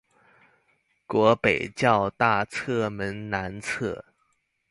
國北教大側門南側